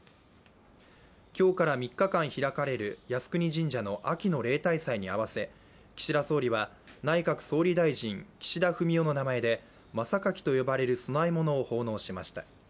今日から３日間開かれる、靖国神社の秋の例大祭に合わせ岸田総理は、「内閣総理大臣・岸田文雄」の名前でまさかきと呼ばれる供え物を奉納しました。